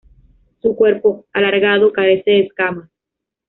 Su cuerpo, alargado, carece de escamas.